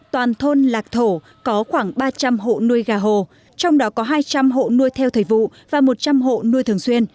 toàn thôn lạc thổ có khoảng ba trăm linh hộ nuôi gà hồ trong đó có hai trăm linh hộ nuôi theo thời vụ và một trăm linh hộ nuôi thường xuyên